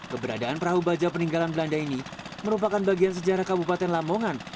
keberadaan perahu baja peninggalan belanda ini merupakan bagian sejarah kabupaten lamongan